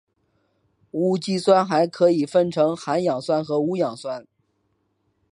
无机酸还可以分成含氧酸和无氧酸。